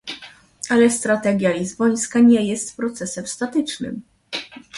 Ale strategia lizbońska nie jest procesem statycznym